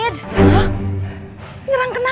beneran mau nyerang bang muhin